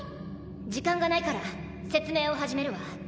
時間がないから説明を始めるわ。